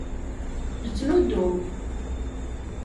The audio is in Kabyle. Nettnuddum.